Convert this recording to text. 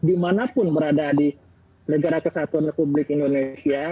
dimanapun berada di negara kesatuan republik indonesia